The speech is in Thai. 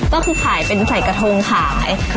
ก็คือขายเป็นใส่กระทงขาย